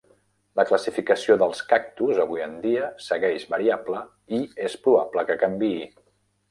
La classificació dels cactus avui en dia segueix variable i és probable que canvii.